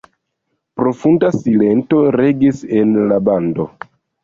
Profunda silento regis en la bando.